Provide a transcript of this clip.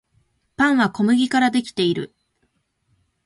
パンは小麦からできている